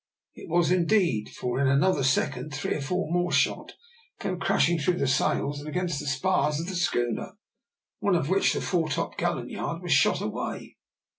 It was, indeed, for in another second, three or four more shot came crashing through the sails and against the spars of the schooner, one of which, the foretop gallant yard, was shot away.